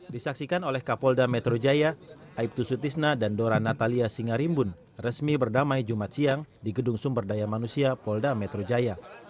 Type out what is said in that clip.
disaksikan oleh kapolda metro jaya aibtu sutisna dan dora natalia singarimbun resmi berdamai jumat siang di gedung sumber daya manusia polda metro jaya